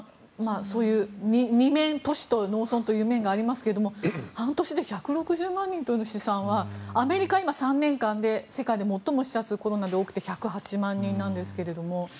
そういう２面都市と農村都市という面がありますが半年で１６０万人という試算はアメリカは今、３年間で世界で最も死者数コロナで起きて１０８万人ですが。